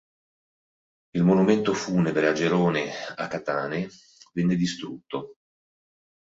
Il monumento funebre a Gerone a Katane viene distrutto.